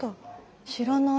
知らない。